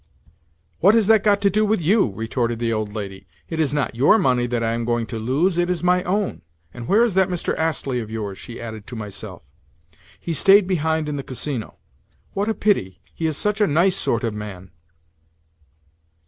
"What has that got to do with you?" retorted the old lady. "It is not your money that I am going to lose; it is my own. And where is that Mr. Astley of yours?" she added to myself. "He stayed behind in the Casino." "What a pity! He is such a nice sort of man!"